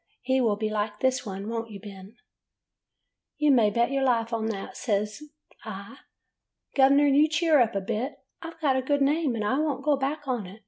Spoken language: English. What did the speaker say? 'He will be like this one; won't you, Ben?' [ 55 ] 'AN EASTER LILY "'You may bet your life on that/ says I. 'Gov'ner, you cheer up a bit. I Ve got a good name, and I won't go back on it.